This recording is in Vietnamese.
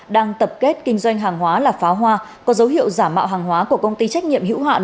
đang tập kết kinh doanh hàng hóa là pháo hoa có dấu hiệu giả mạo hàng hóa của công ty trách nhiệm hữu hạn